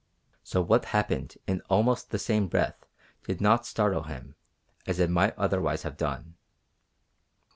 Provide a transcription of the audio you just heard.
So what happened in almost that same breath did not startle him as it might otherwise have done.